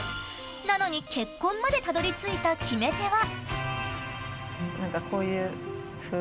なのに結婚までたどり着いた決め手は。